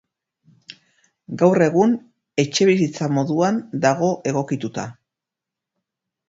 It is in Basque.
Gaur egun etxebizitza moduan dago egokituta.